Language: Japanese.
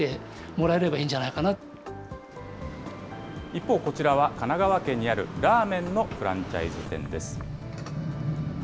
一方、こちらは神奈川県にあるラーメンのフランチャイズ店です。